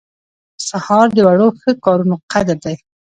سهار د وړو ښه کارونو قدر دی.